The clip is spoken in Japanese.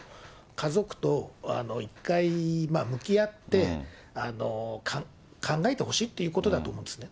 家族と一回向き合って、考えてほしいっていうことだと思うんですよね。